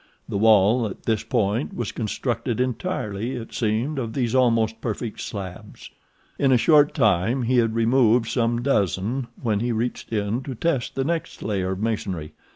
The wall at this point was constructed entirely, it seemed, of these almost perfect slabs. In a short time he had removed some dozen, when he reached in to test the next layer of masonry.